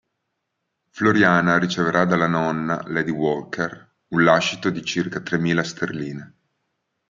Floriana riceverà dalla nonna, Lady Walker, un lascito di circa tremila sterline.